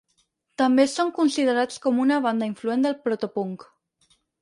També són considerats com una banda influent de proto-punk.